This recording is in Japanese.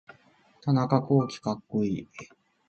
田中洸希かっこいい